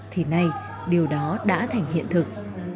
thì nay điều đó đã thành hiện thực